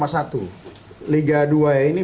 satu liga dua ini